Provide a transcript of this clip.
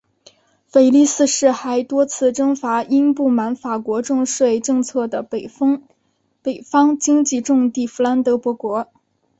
腓力四世还多次征伐因不满法国重税政策的北方经济重地佛兰德伯国。